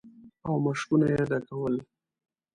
او مشکونه يې ډکول.